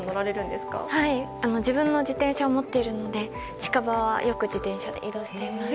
自分の自転車を持っているので近場はよく自転車で移動しています。